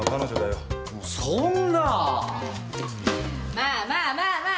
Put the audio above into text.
まあまあまあまあ。